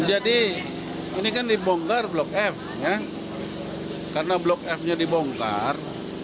ini kan dibongkar blok f karena blok f nya dibongkar